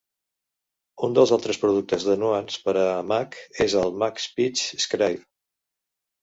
Un dels altres productes de Nuance per a Mac és MacSpeech Scribe.